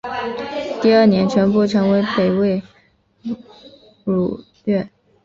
第二年全部成为北魏俘虏。